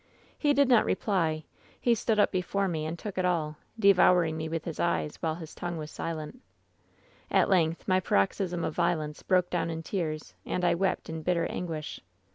"He did not reply ; he stood up before me and took it all, devouring me with his eyes, while his tongue was silent, "At length, my paroxysm of violence broke down in tears, and I wept in bitter anguish.